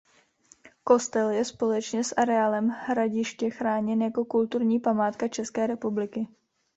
Kostel je společně s areálem hradiště chráněn jako kulturní památka České republiky.